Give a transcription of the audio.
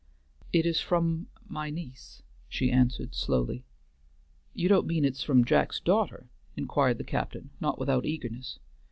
"It is from my niece," she answered, slowly. "You don't mean it's from Jack's daughter?" inquired the captain, not without eagerness.